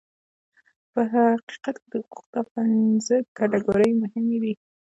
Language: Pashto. په حقیقت کې د حقوقو دا پنځه کټګورۍ مهمې دي.